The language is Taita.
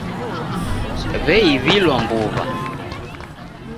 W'eiw'ilwa mbuw'a .